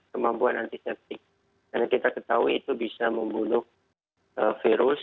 kemampuan antiseptik karena kita ketahui itu bisa membunuh virus